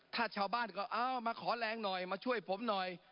ถ้าชาวบ้านก็เอามาขอแรงหน่อยมาช่วยผมหน่อย